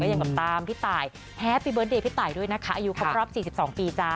ก็ยังกับตามพี่ตายพี่ตายด้วยนะคะอายุครอบครับสี่สิบสองปีจ้า